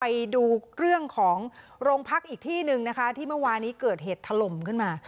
ไปดูเรื่องของโรงพักอีกที่หนึ่งนะคะที่เมื่อวานี้เกิดเหตุถล่มขึ้นมา